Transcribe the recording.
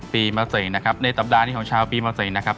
ปีเมื่อเส็งนะครับในสัปดาห์ที่ของชาวปีเมื่อเส็งนะครับ